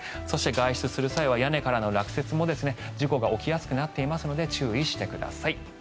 そして外出する際は屋根からの落雪も事故が起きやすくなっていますので注意してください。